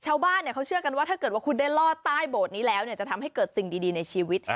ชาวบ้านเขาเชื่อกันว่าถ้าเกิดว่าอันตรายไว้แล้วจะทำให้เกิดสิ่งดีในชีวิต